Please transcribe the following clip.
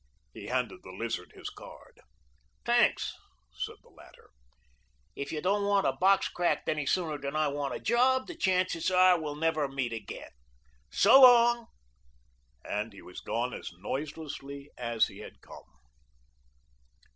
He handed the Lizard his card. "Tanks," said the latter. "If you don't want a box cracked any sooner than I want a job, the chances are we will never meet again. So long," and he was gone as noiselessly as he had come.